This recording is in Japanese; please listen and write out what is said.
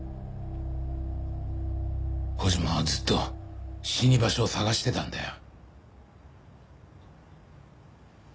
小島はずっと死に場所を探してたんだよ。